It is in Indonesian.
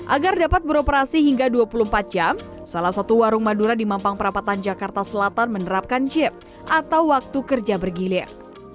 agar dapat beroperasi hingga dua puluh empat jam salah satu warung madura di mampang perapatan jakarta selatan menerapkan chip atau waktu kerja bergilir